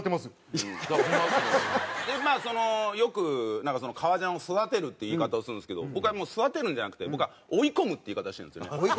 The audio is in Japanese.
まあよくなんか革ジャンを「育てる」って言い方をするんですけど僕はもう育てるんじゃなくて僕は「追い込む」って言い方をしてるんですよね。